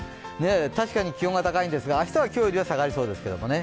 確かに気温が高いんですが、明日は今日よりも下がりそうですけどね。